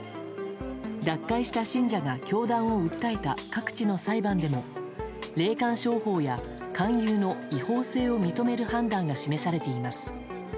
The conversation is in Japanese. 脱会した信者が教団を訴えた各地の裁判でも霊感商法や勧誘の違法性を認める判断が示されています。